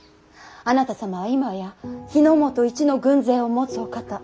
あなた様は今や日本一の軍勢を持つお方。